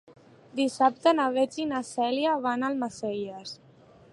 Dissabte na Beth i na Cèlia van a Almacelles.